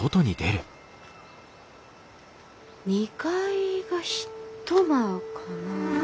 ２階が１間かな？